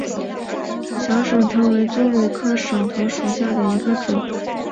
小省藤为棕榈科省藤属下的一个种。